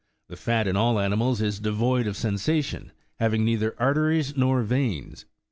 The fat in all animals is devoid of sensation, having neither arteries nor veins.